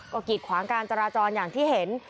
ก็กีดขวางการจราจรอย่างที่เห็น